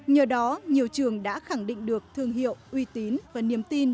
nhờ đó nhiều trường đã khẳng định được thương hiệu uy tín và niềm tin